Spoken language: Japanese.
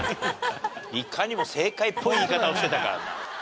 いかにも正解っぽい言い方をしてたからな。